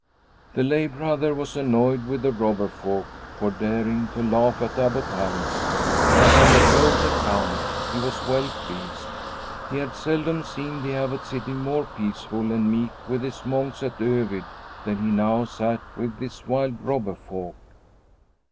The lay brother was annoyed with the robber folk for daring to laugh at Abbot Hans, but on his own account he was well pleased. He had seldom seen the Abbot sitting more peaceful and meek with his monks at Övid than he now sat with this wild robber folk.